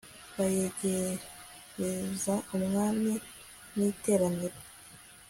bayegereza umwami n'iteraniro